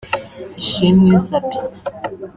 Ishimwe Zappy